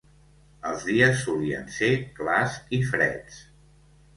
Els dies solien ser clars i freds;